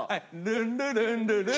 ルンルンルンルルーン！